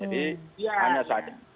jadi hanya saja